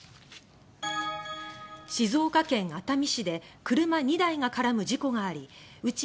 静岡県熱海市で車２台が絡む事故がありうち